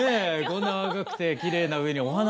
こんな若くてきれいな上にお花